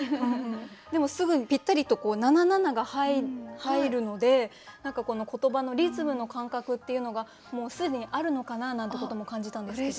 でもすぐにぴったりと七七が入るのでこの言葉のリズムの感覚っていうのがもう既にあるのかななんてことも感じたんですけど。